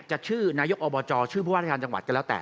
จะชื่อนายกอบจชื่อผู้ว่าราชการจังหวัดก็แล้วแต่